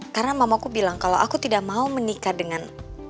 karena mamaku bilang kalau aku tidak mau menikah dengan